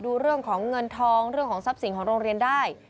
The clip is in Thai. ดูเรื่องของเงินทองเรื่องของทรัพย์สินของโรงเรียนได้